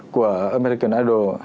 của american idol